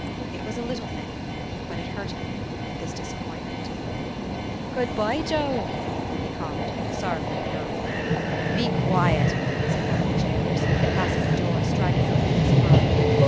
It was a little thing; but it hurt him, this disappointment. "Good bye, Joe!" he called, sorrowfully enough. "Be quiet!" said one of the jailers, passing the door, striking on it with his club.